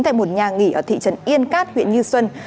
tại một nhà nghỉ ở thị trấn yên cát huyện như xuân